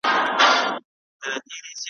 هم په ویښه هم په خوب کي خپل زلمي کلونه وینم ,